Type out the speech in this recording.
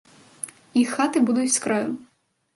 Іх хаты будуць с краю.